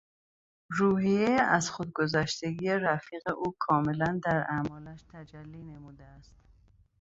روحیهٔ از خود گذشتگی رفیق او کاملاً در اعمالش تجلی نموده است.